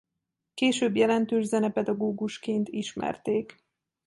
Később jelentős zenepedagógusként ismerték.